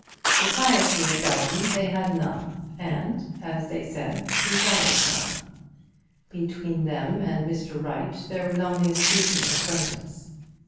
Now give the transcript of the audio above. Society at Belton they had none, and, as they said, desired none. Between them and Mr. Wright there was only a speaking acquaintance.